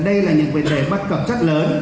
đây là những vấn đề bất cẩm rất lớn